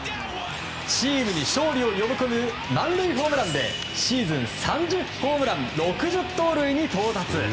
チームに勝利を呼び込む満塁ホームランでシーズン３０ホームラン６０盗塁に到達。